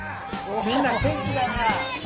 みんな元気だなあ！